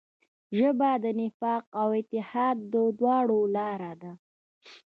ژبه د نفاق او اتحاد دواړو لاره ده